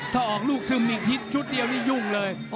ถ้าออกลูกซึมอีกทิศชุดเดียวนี่ยุ่งเลย